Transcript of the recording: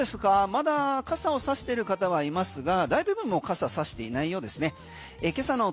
まだ傘を差している方はいますが大部分が傘を差していないようですね